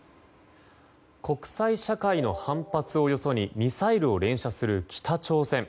国際社会の反発をよそにミサイルを連射する北朝鮮。